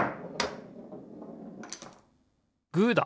グーだ！